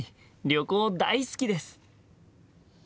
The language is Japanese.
旅行大好きです！